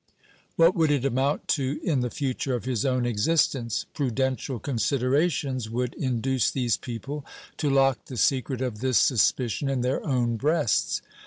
What would it amount to in the future of his own existence? Prudential considerations would induce these people to lock the secret of this suspicion in their own breasts.